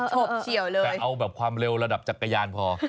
ฉบเฉียวเลยแต่เอาแบบความเร็วระดับจักรยานพอ